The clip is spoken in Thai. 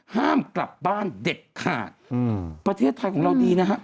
ห้ามกลับบ้านเด็ดขาดอืมประเทศไทยของเราดีนะฮะ